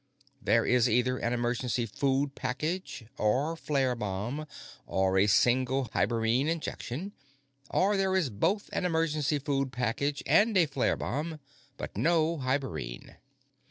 There is either an emergency food package, or flare bomb, or a single hibernine injection; or there is both an emergency food package and a flare bomb, but no hibernine.